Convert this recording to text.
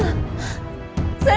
saya mau ketemu dulu sama elsa